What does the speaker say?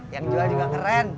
yang jual juga keren